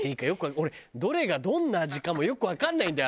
俺どれがどんな味かもよくわかんないんだよ